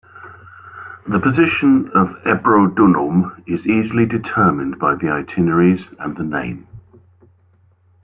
The position of Ebrodunum is easily determined by the itineraries and the name.